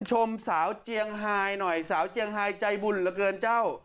ชมสาวเจียงไฮหน่อยสาวเจียงไฮใจบุญเหลือเกินเจ้า